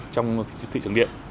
trong thị trường điện